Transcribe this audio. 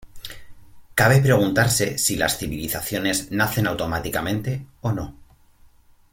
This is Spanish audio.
Cabe preguntarse si las civilizaciones nacen automáticamente o no.